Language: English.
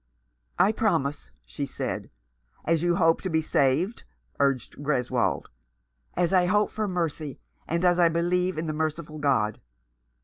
" I promise," she said. "As you hope to be saved?" urged Greswold. "As I hope for mercy, and as I believe in a merciful God."